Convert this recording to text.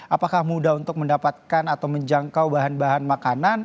apakah mudah untuk mendapatkan atau menjangkau bahan bahan makanan